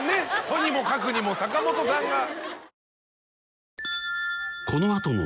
とにもかくにも坂本さんが。